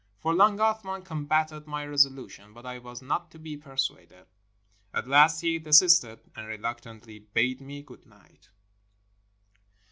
For long Athman combated my resolution, but I was not to be persuaded. At last he desisted, and reluctantly bade me good night.